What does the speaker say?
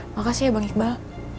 makasih ya bang iqbal